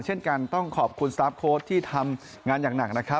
เช่นกันต้องขอบคุณสตาร์ฟโค้ดที่ทำงานอย่างหนักนะครับ